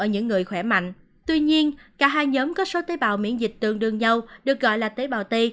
những người khỏe mạnh tuy nhiên cả hai nhóm có số tế bào miễn dịch tương đương nhau được gọi là tế bào t